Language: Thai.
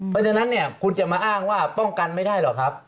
เพราะฉะนั้นเนี่ยคุณจะมาอ้างว่าป้องกันไม่ได้หรอกครับ